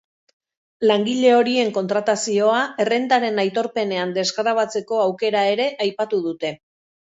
Langile horien kontratazioa errentaren aitorpenean desgrabatzeko aukera ere aipatu dute.